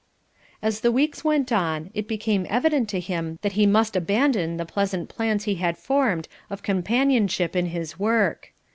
As the weeks went on, it became evident to him that he must abandon the pleasant plans he had formed of companionship in his work.